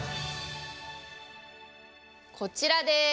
こちらです！